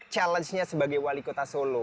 kita tanyakan challenge nya sebagai wali kota solo